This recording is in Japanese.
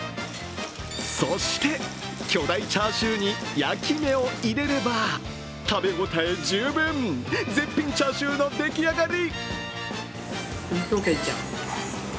そして、巨大チャーシューに焼き目を入れれば食べ応え十分、絶品チャーシューのでき上がり。